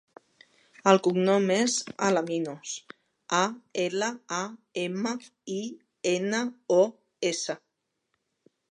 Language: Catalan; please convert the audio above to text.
El cognom és Alaminos: a, ela, a, ema, i, ena, o, essa.